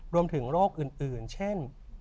รวมถึงโรคอื่นเช่น